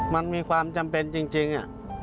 มันมีความจำเป็นจริง